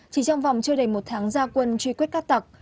chỉ trong vòng chưa đầy một tháng gia quân truy quyết các tặc